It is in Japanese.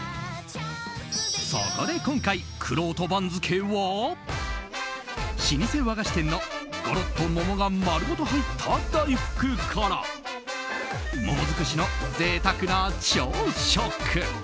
そこで今回、くろうと番付は老舗和菓子店のゴロッと桃が丸ごと入った大福から桃尽くしの贅沢な朝食。